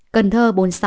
cần thơ bốn mươi sáu